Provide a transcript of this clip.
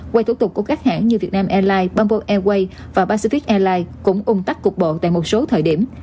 quay thủ tục của các hãng như vietnam airlines bumble airways và pacific airlines cũng ung tắt cục bộ tại một số thời điểm